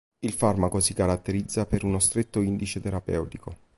Il farmaco si caratterizza per uno stretto indice terapeutico.